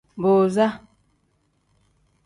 Booza.